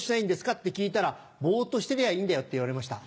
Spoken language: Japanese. って聞いたら「ボっとしてりゃいいんだよ」って言われました。